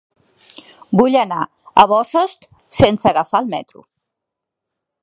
Vull anar a Bossòst sense agafar el metro.